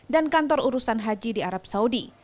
dan kantor urusan haji di arab saudi